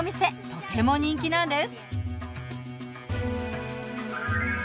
とても人気なんです。